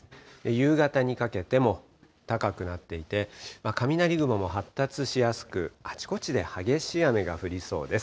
夕方にかけても高くなっていて、雷雲も発達しやすく、あちこちで激しい雨が降りそうです。